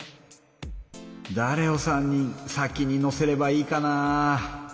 だれを３人先に乗せればいいかな？